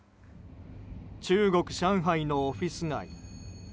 中国・上海のオフィス街。